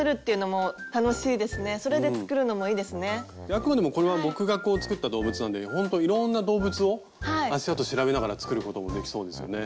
あくまでもこれは僕が作った動物なんでほんといろんな動物を足あと調べながら作ることもできそうですよね。